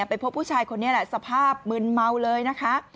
ไปพบผู้ชายคนนี้แหละสภาพมึนเมาเลยนะคะ